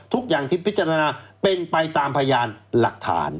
ทุกอย่างที่พิจารณาเป็นไปตามพยานหลักฐาน